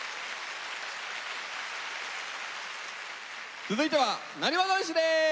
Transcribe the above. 続いてはなにわ男子です。